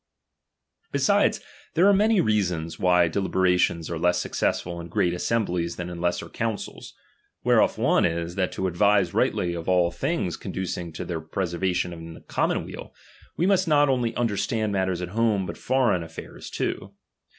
Besides, there are many reasons, why delibe rations are less successful in great assemblies than '■ in lesser councils. Whereof one is, that to advise rightly of all things conducing to the preservation of a commonweal, we must not only understand DOMINION. 13? matters at home, but foreign affairs too.